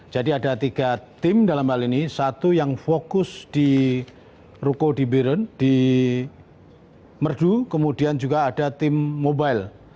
jadi ada tiga tim dalam hal ini satu yang fokus di ruko di biren di merdu kemudian juga ada tim mobile